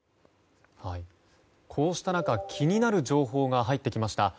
こうした中気になる情報が入ってきました。